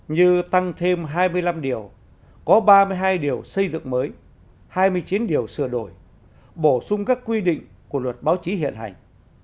như tăng thêm hai mươi năm điều có ba mươi hai điều xây dựng mới hai mươi chín điều sửa đổi bổ sung các quy định của luật báo chí hiện hành